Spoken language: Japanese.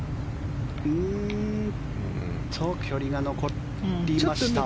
距離が残りました。